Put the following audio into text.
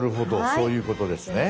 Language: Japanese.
そういうことですね。